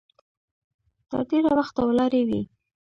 تر ډېره وخته ولاړې وي.